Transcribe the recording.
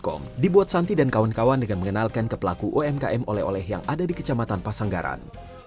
warung com dibuat santi dan kawan kawan dengan mengenalkan kepelaku umkm ole oleh yang ada di kecamatan pasanggaran